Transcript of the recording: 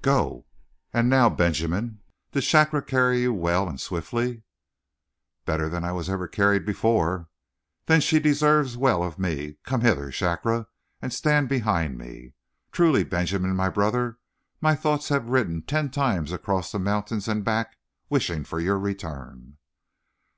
Go! And now, Benjamin, did Shakra carry you well and swiftly?" "Better than I was ever carried before." "Then she deserves well of me. Come hither, Shakra, and stand behind me. Truly, Benjamin, my brother, my thoughts have ridden ten times across the mountains and back, wishing for your return!"